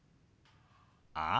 ああ。